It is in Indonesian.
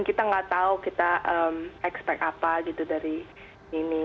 kita nggak tahu kita expect apa gitu dari ini